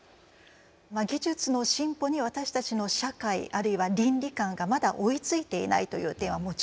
技術の進歩に私たちの社会あるいは倫理観がまだ追いついていないという点はもちろんあります。